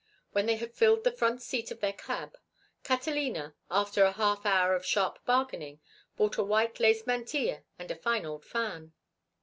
When they had filled the front seat of their cab, Catalina, after a half hour of sharp bargaining, bought a white lace mantilla and a fine old fan.